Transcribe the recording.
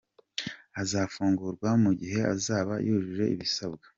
Azafungurwa mu gihe azaba yujuje ibisabwa.